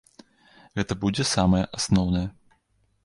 Гэта будзе самае асноўнае.